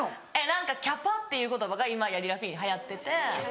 何かキャパっていう言葉が今やりらふぃーで流行ってて。